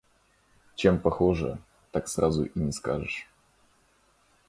Чем похожа, так сразу и не скажешь.